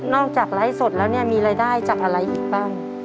นอกจากไลฟ์สดแล้วมีรายได้จากอะไรอีกบ้าง